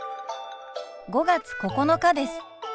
５月９日です。